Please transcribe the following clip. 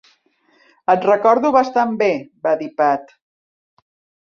"Et recordo bastant bé", va dir Pat.